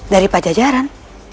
dari pak jajaran